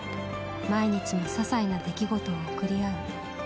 毎日のささいな出来事を送り合う。